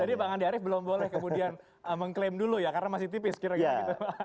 jadi bang andi arief belum boleh kemudian mengklaim dulu ya karena masih tipis kira kira gitu